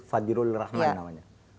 fadjirul rahman namanya